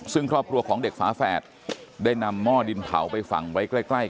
ซึ่งครอบครัวของเด็กฝาแฝดได้นำหม้อดินเผาไปฝังไว้ใกล้